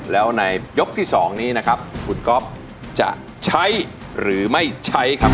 แล้วในยกที่๒นี้นะครับคุณก๊อฟจะใช้หรือไม่ใช้ครับ